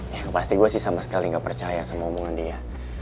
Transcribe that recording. ya pasti gua sih sama sekali gak percaya sama hubungan dia